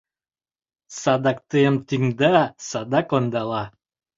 Садак тыйым тӱҥда, садак ондала.